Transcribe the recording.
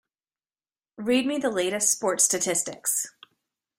Read me the latest sports statistics.